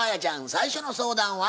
最初の相談は？